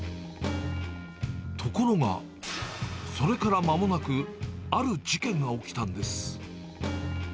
ところが、それからまもなく、ある事件が起きたんです。